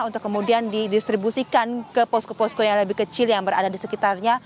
untuk kemudian didistribusikan ke posko posko yang lebih kecil yang berada di sekitarnya